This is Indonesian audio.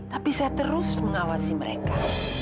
tapi saya terus mengawasi mereka